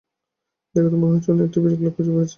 দেখে তো মনে হচ্ছে উনি একটা ব্রিকেলব্যাক খুঁজে পেয়েছেন।